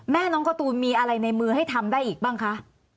แม่น้องการ์ตูนมีอะไรในมือให้ทำได้อีกบ้างคะ